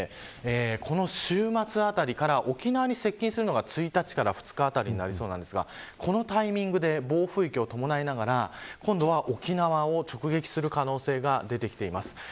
この週末あたりから沖縄に接近するのが１日から２日あたりになりそうですがこのタイミングで暴風域を伴いながら今度は沖縄を直撃する可能性が出ています。